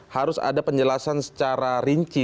harus ada penjelasan secara rinci